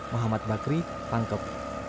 mohamad bakri pangkep